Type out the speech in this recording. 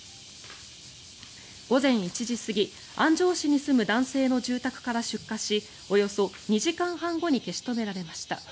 午前１時過ぎ安城市に住む男性の住宅から出火しおよそ２時間半後に消し止められました。